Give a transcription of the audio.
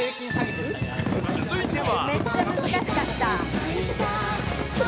続いては。